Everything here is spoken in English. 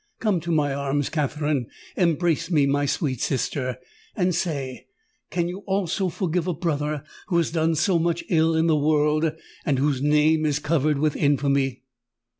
"Come to my arms, Katherine—embrace me, my sweet sister;—and say—can you also forgive a brother who has done so much ill in the world, and whose name is covered with infamy?"